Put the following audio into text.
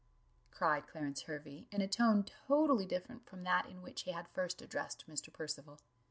cried Clarence Hervey, in a tone totally different from that in which he had first addressed Mr. Percival.